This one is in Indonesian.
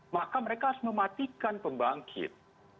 maka mereka harus mematikan pembangkit